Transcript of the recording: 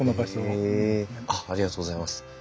へえあっありがとうございます。